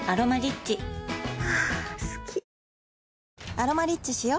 「アロマリッチ」しよ